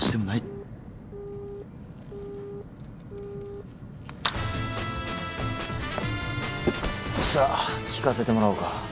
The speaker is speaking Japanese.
☎さあ聞かせてもらおうか。